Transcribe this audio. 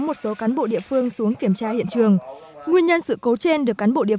một số cán bộ địa phương xuống kiểm tra hiện trường nguyên nhân sự cố trên được cán bộ điệp